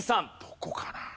どこかな？